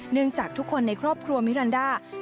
จากทุกคนในครอบครัวมิรันดา